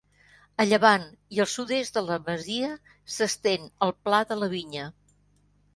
A llevant i al sud-est de la masia s'estén el Pla de la Vinya.